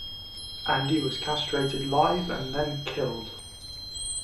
Andy was castrated live and then killed.